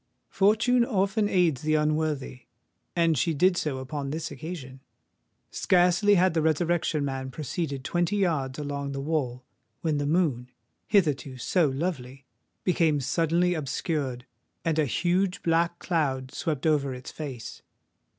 Fortune often aids the unworthy; and she did so upon this occasion. Scarcely had the Resurrection Man proceeded twenty yards along the wall, when the moon—hitherto so lovely—became suddenly obscured; and a huge black cloud swept over its face.